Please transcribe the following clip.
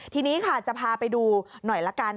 ทีนี้ค่ะจะพาไปดูหน่อยละกัน